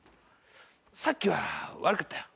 さっきは悪かったよ。